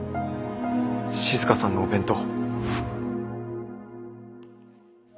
静さんのお弁当。